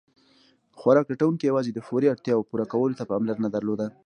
خوراک لټونکي یواځې د فوري اړتیاوو پوره کولو ته پاملرنه درلوده.